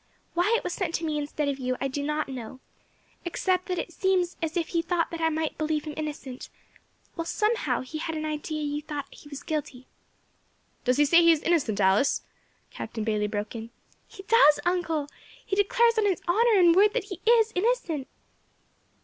Why it was sent to me instead of to you I do not know, except that it seems as if he thought that I might believe him innocent, while somehow he had an idea that you thought he was guilty." "Does he say he is innocent, Alice?" Captain Bayley broke in. "He does, uncle; he declares on his honour and word that he is innocent."